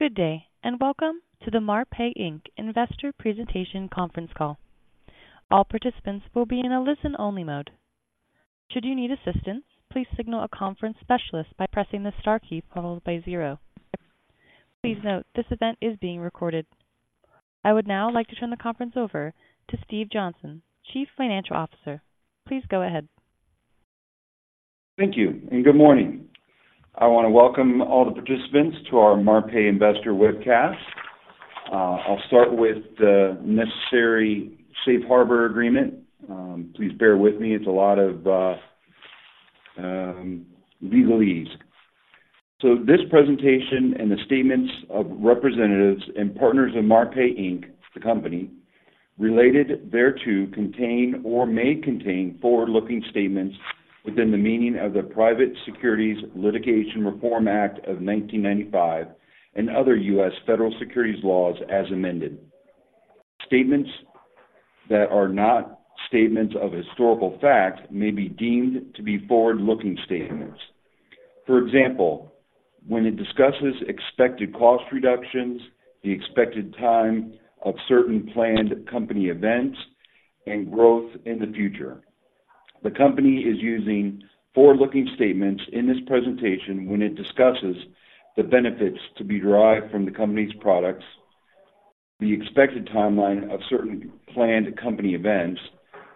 Good day, and welcome to the Marpai, Inc. Investor Presentation Conference Call. All participants will be in a listen-only mode. Should you need assistance, please signal a conference specialist by pressing the star key followed by zero. Please note, this event is being recorded. I would now like to turn the conference over to Steve Johnson, Chief Financial Officer. Please go ahead. Thank you, and good morning. I wanna welcome all the participants to our Marpai Investor Webcast. I'll start with the necessary safe harbor agreement. Please bear with me. It's a lot of legalese. So this presentation and the statements of representatives and partners of Marpai, Inc., the company, related thereto, contain or may contain forward-looking statements within the meaning of the Private Securities Litigation Reform Act of 1995 and other US federal securities laws as amended. Statements that are not statements of historical fact may be deemed to be forward-looking statements. For example, when it discusses expected cost reductions, the expected time of certain planned company events, and growth in the future. The company is using forward-looking statements in this presentation when it discusses the benefits to be derived from the company's products, the expected timeline of certain planned company events,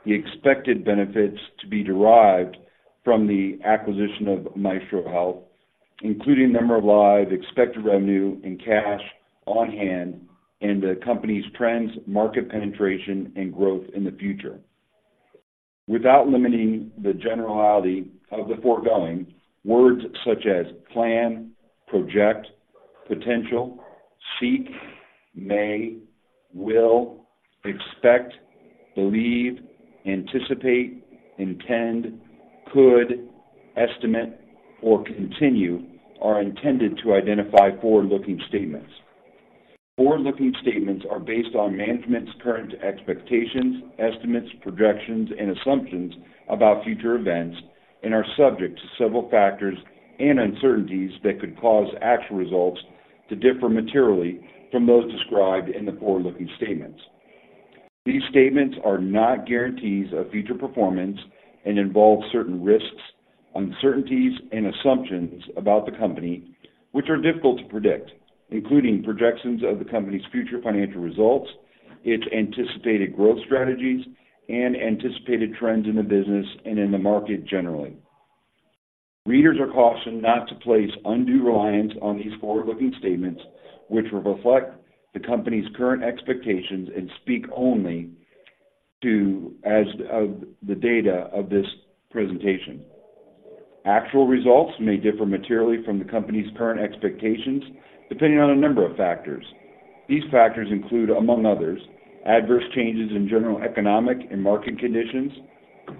the expected benefits to be derived from the acquisition of Maestro Health, including number of lives, expected revenue, and cash on hand, and the company's trends, market penetration, and growth in the future. Without limiting the generality of the foregoing, words such as plan, project, potential, seek, may, will, expect, believe, anticipate, intend, could, estimate, or continue, are intended to identify forward-looking statements. Forward-looking statements are based on management's current expectations, estimates, projections, and assumptions about future events, and are subject to several factors and uncertainties that could cause actual results to differ materially from those described in the forward-looking statements. These statements are not guarantees of future performance and involve certain risks, uncertainties, and assumptions about the company, which are difficult to predict, including projections of the company's future financial results, its anticipated growth strategies, and anticipated trends in the business and in the market generally. Readers are cautioned not to place undue reliance on these forward-looking statements, which reflect the company's current expectations and speak only as of the date of this presentation. Actual results may differ materially from the company's current expectations, depending on a number of factors. These factors include, among others, adverse changes in general economic and market conditions,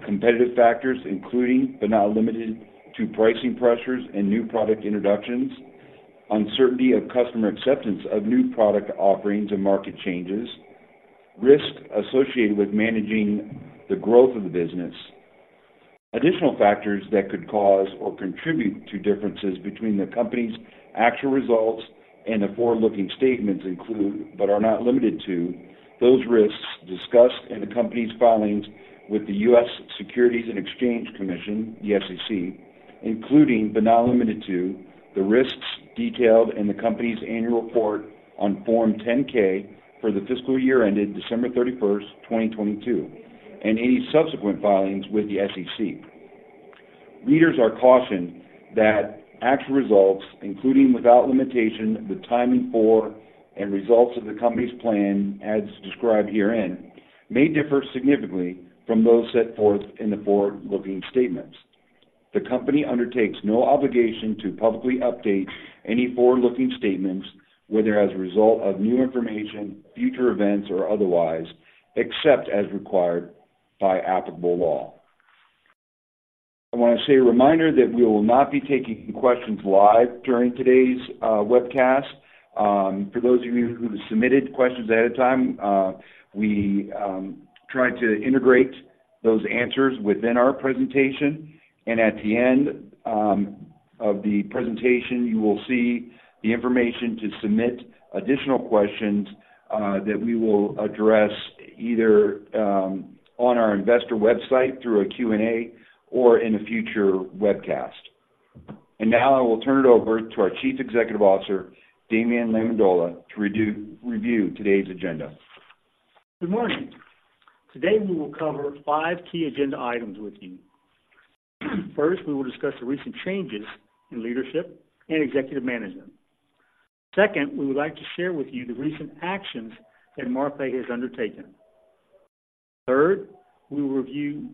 competitive factors, including but not limited to pricing pressures and new product introductions, uncertainty of customer acceptance of new product offerings and market changes, risks associated with managing the growth of the business. Additional factors that could cause or contribute to differences between the company's actual results and the forward-looking statements include, but are not limited to, those risks discussed in the company's filings with the U.S. Securities and Exchange Commission, the SEC, including but not limited to, the risks detailed in the company's annual report on Form 10-K for the fiscal year ended December 31, 2022, and any subsequent filings with the SEC. Readers are cautioned that actual results, including without limitation, the timing for and results of the company's plan as described herein, may differ significantly from those set forth in the forward-looking statements. The company undertakes no obligation to publicly update any forward-looking statements, whether as a result of new information, future events, or otherwise, except as required by applicable law. I wanna say a reminder that we will not be taking questions live during today's webcast. For those of you who submitted questions ahead of time, we try to integrate those answers within our presentation, and at the end of the presentation, you will see the information to submit additional questions that we will address either on our investor website through a Q&A or in a future webcast. And now I will turn it over to our Chief Executive Officer, Damien Lamendola, to review today's agenda. Good morning. Today, we will cover five key agenda items with you. First, we will discuss the recent changes in leadership and executive management. Second, we would like to share with you the recent actions that Marpai has undertaken. Third, we will review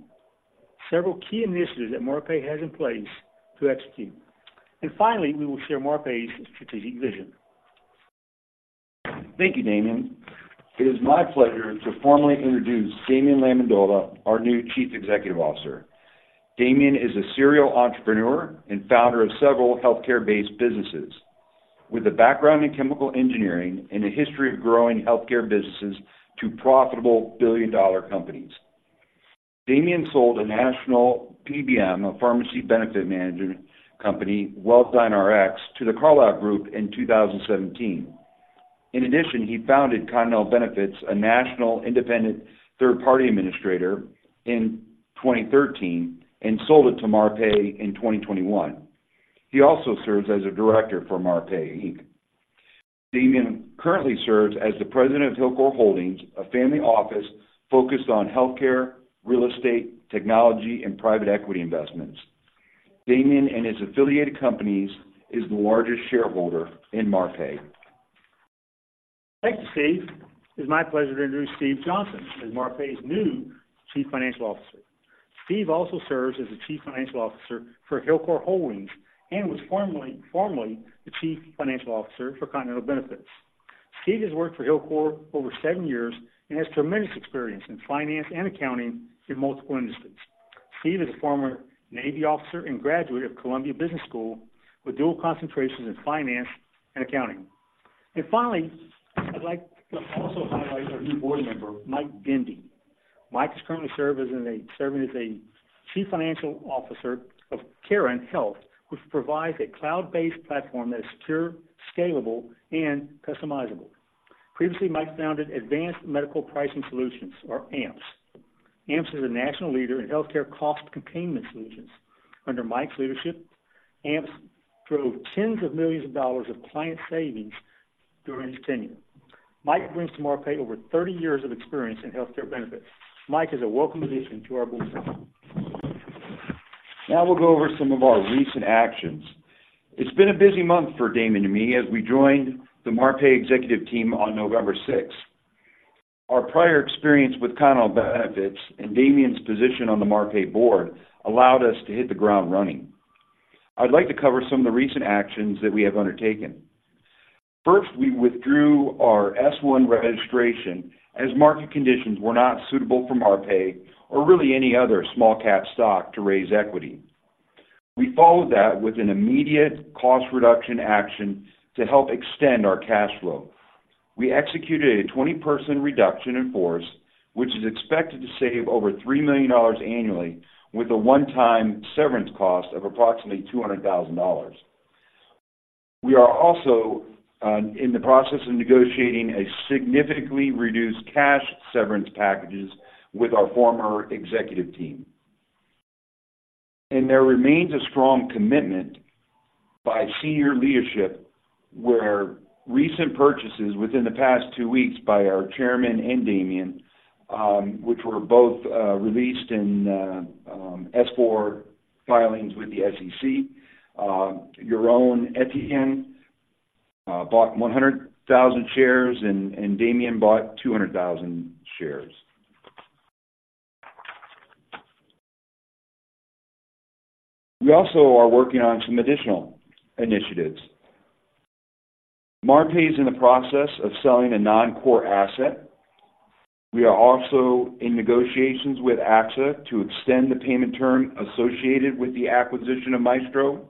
several key initiatives that Marpai has in place to execute. And finally, we will share Marpai's strategic vision. Thank you, Damien. It is my pleasure to formally introduce Damien Lamendola, our new Chief Executive Officer. Damien is a serial entrepreneur and founder of several healthcare-based businesses. With a background in chemical engineering and a history of growing healthcare businesses to profitable billion-dollar companies. Damien sold a national PBM, a pharmacy benefit management company, WellDyneRx, to The Carlyle Group in 2017. In addition, he founded Continental Benefits, a national independent third-party administrator, in 2013, and sold it to Marpai in 2021. He also serves as a director for Marpai, Inc. Damien currently serves as the president of HillCour Holding Corporation, a family office focused on healthcare, real estate, technology, and private equity investments. Damien and his affiliated companies is the largest shareholder in Marpai. Thanks, Steve. It's my pleasure to introduce Steve Johnson as Marpai's new Chief Financial Officer. Steve also serves as the Chief Financial Officer for HillCour Holding Corporation and was formerly, formerly the Chief Financial Officer for Continental Benefits. Steve has worked for HillCour over seven years and has tremendous experience in finance and accounting in multiple industries. Steve is a former Navy officer and graduate of Columbia Business School, with dual concentrations in finance and accounting. Finally, I'd like to also highlight our new board member, Mike Dendy. Mike is currently serving as Chief Financial Officer of CarynHealth, which provides a cloud-based platform that is secure, scalable, and customizable. Previously, Mike founded Advanced Medical Pricing Solutions, or AMPS. AMPS is a national leader in healthcare cost containment solutions. Under Mike's leadership, AMPS drove $tens of millions of client savings during his tenure. Mike brings to Marpai over 30 years of experience in healthcare benefits. Mike is a welcome addition to our board. Now we'll go over some of our recent actions. It's been a busy month for Damien and me as we joined the Marpai executive team on November sixth. Our prior experience with Continental Benefits and Damien's position on the Marpai board allowed us to hit the ground running. I'd like to cover some of the recent actions that we have undertaken. First, we withdrew our S-1 registration as market conditions were not suitable for Marpai or really any other small-cap stock to raise equity. We followed that with an immediate cost reduction action to help extend our cash flow. We executed a 20-person reduction in force, which is expected to save over $3 million annually, with a one-time severance cost of approximately $200,000. We are also in the process of negotiating significantly reduced cash severance packages with our former executive team. There remains a strong commitment by senior leadership, where recent purchases within the past two weeks by our chairman and Damien, which were both released in S-4 filings with the SEC. Yaron Eitan bought 100,000 shares, and Damien bought 200,000 shares. We also are working on some additional initiatives. Marpai is in the process of selling a non-core asset. We are also in negotiations with AXA to extend the payment term associated with the acquisition of Maestro.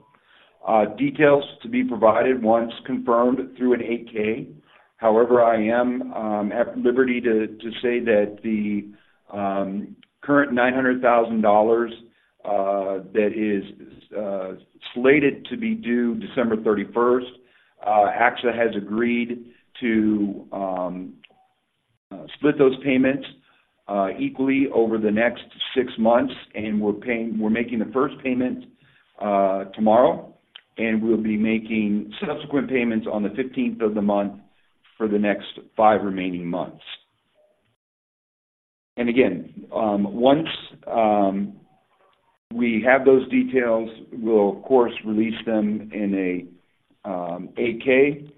Details to be provided once confirmed through an 8-K. However, I am at liberty to say that the current $900,000 that is slated to be due December thirty-first, AXA has agreed to split those payments equally over the next six months, and we're paying—we're making the first payment tomorrow, and we'll be making subsequent payments on the fifteenth of the month for the next five remaining months. Again, once we have those details, we'll of course release them in a 8-K.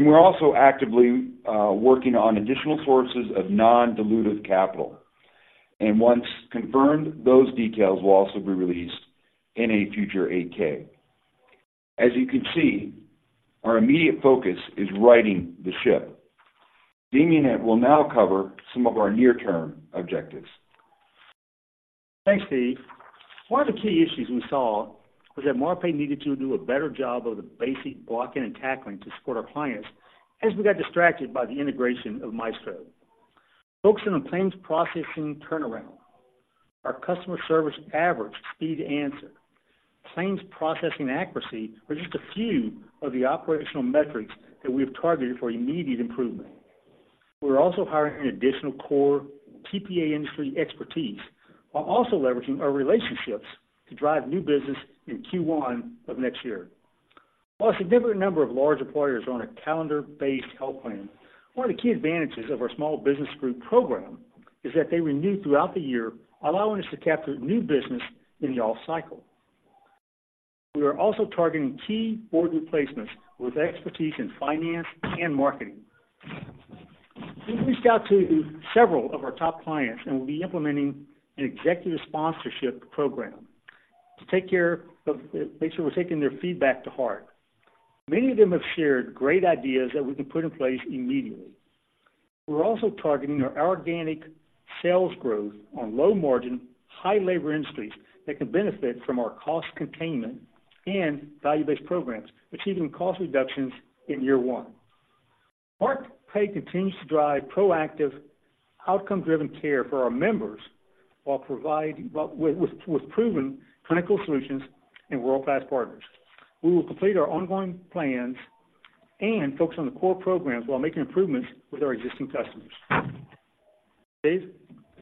We're also actively working on additional sources of non-dilutive capital, and once confirmed, those details will also be released in a future 8-K. As you can see, our immediate focus is righting the ship. Damien will now cover some of our near-term objectives. Thanks, Steve. One of the key issues we saw was that Marpai needed to do a better job of the basic blocking and tackling to support our clients as we got distracted by the integration of Maestro. Focusing on claims processing turnaround, our customer service average speed answer, claims processing accuracy are just a few of the operational metrics that we have targeted for immediate improvement. We're also hiring additional core TPA industry expertise, while also leveraging our relationships to drive new business in Q1 of next year. While a significant number of large employers are on a calendar-based health plan, one of the key advantages of our small business group program is that they renew throughout the year, allowing us to capture new business in the off cycle. We are also targeting key board replacements with expertise in finance and marketing. We've reached out to several of our top clients, and we'll be implementing an executive sponsorship program to take care of, make sure we're taking their feedback to heart. Many of them have shared great ideas that we can put in place immediately. We're also targeting our organic sales growth on low margin, high labor industries that can benefit from our cost containment and value-based programs, achieving cost reductions in year one.... Marpai continues to drive proactive, outcome-driven care for our members, while providing, well, with, with proven clinical solutions and world-class partners. We will complete our ongoing plans and focus on the core programs while making improvements with our existing customers. Steve?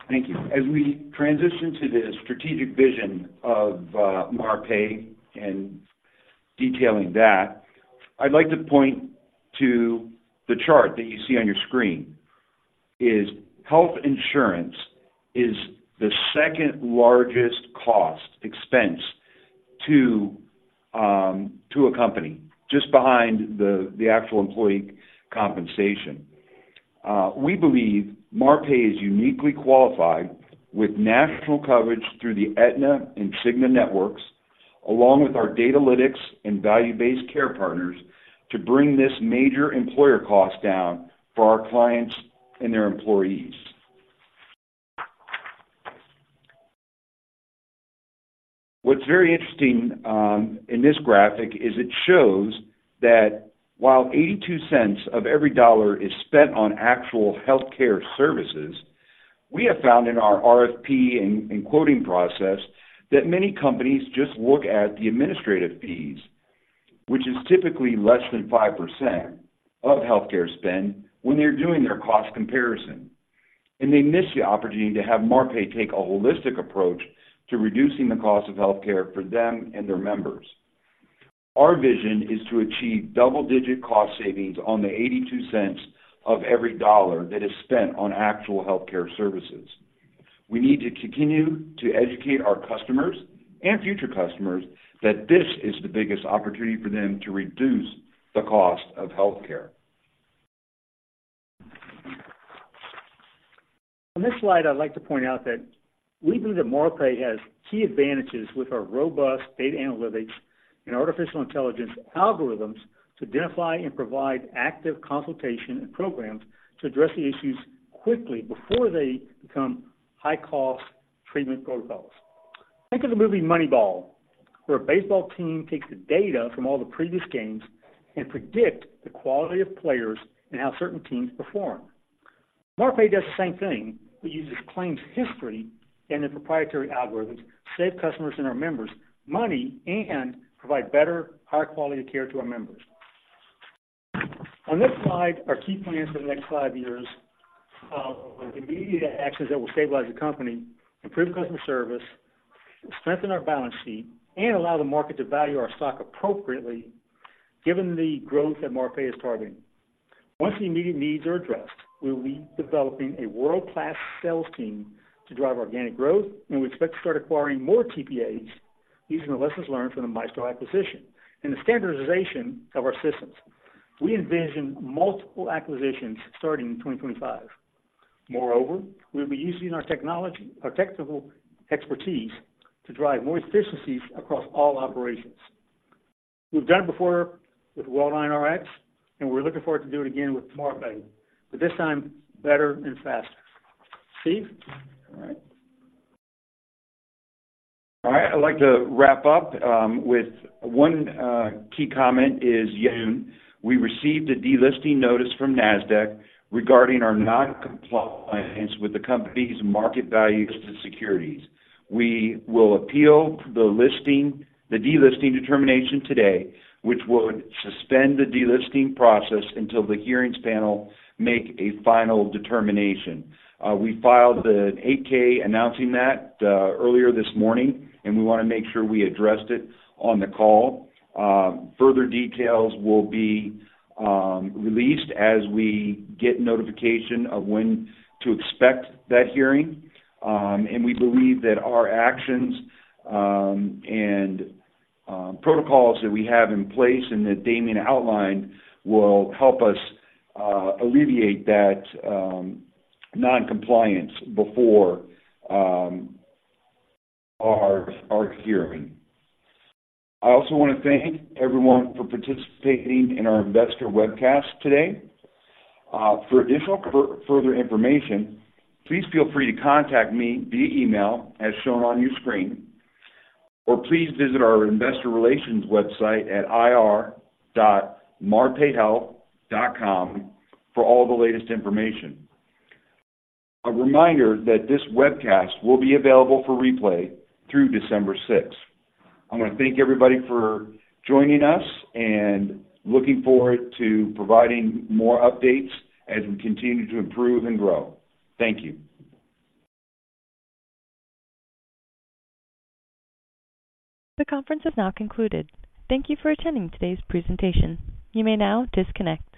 Thank you. As we transition to the strategic vision of Marpai and detailing that, I'd like to point to the chart that you see on your screen, is health insurance is the second largest cost expense to a company, just behind the actual employee compensation. We believe Marpai is uniquely qualified with national coverage through the Aetna and Cigna networks, along with our data analytics and value-based care partners, to bring this major employer cost down for our clients and their employees. What's very interesting in this graphic is it shows that while $0.82 of every $1 is spent on actual healthcare services, we have found in our RFP and quoting process that many companies just look at the administrative fees, which is typically less than 5% of healthcare spend when they're doing their cost comparison. They miss the opportunity to have Marpai take a holistic approach to reducing the cost of healthcare for them and their members. Our vision is to achieve double-digit cost savings on the $0.82 of every dollar that is spent on actual healthcare services. We need to continue to educate our customers and future customers that this is the biggest opportunity for them to reduce the cost of healthcare. On this slide, I'd like to point out that we believe that Marpai has key advantages with our robust data analytics and artificial intelligence algorithms, to identify and provide active consultation and programs to address the issues quickly before they become high-cost treatment protocols. Think of the movie Moneyball, where a baseball team takes the data from all the previous games and predict the quality of players and how certain teams perform. Marpai does the same thing, but uses claims history and the proprietary algorithms to save customers and our members money, and provide better, higher quality care to our members. On this slide, our key plans for the next five years, with immediate actions that will stabilize the company, improve customer service, strengthen our balance sheet, and allow the market to value our stock appropriately, given the growth that Marpai is targeting. Once the immediate needs are addressed, we will be developing a world-class sales team to drive organic growth, and we expect to start acquiring more TPAs, using the lessons learned from the Maestro acquisition and the standardization of our systems. We envision multiple acquisitions starting in 2025. Moreover, we'll be using our technology, our technical expertise to drive more efficiencies across all operations. We've done it before with WellDyneRx, and we're looking forward to do it again with Marpai, but this time, better and faster. Steve? All right. All right, I'd like to wrap up with one key comment is yesterday, we received a delisting notice from NASDAQ regarding our noncompliance with the company's Market Value of Listed Securities. We will appeal the delisting determination today, which would suspend the delisting process until the hearings panel make a final determination. We filed an 8-K announcing that earlier this morning, and we want to make sure we addressed it on the call. Further details will be released as we get notification of when to expect that hearing. And we believe that our actions and protocols that we have in place and that Damien outlined will help us alleviate that non-compliance before our hearing. I also want to thank everyone for participating in our investor webcast today. For additional further information, please feel free to contact me via email, as shown on your screen, or please visit our investor relations website at ir.marpaihealth.com for all the latest information. A reminder that this webcast will be available for replay through December sixth. I want to thank everybody for joining us, and looking forward to providing more updates as we continue to improve and grow. Thank you. The conference has now concluded. Thank you for attending today's presentation. You may now disconnect.